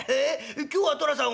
今日は寅さん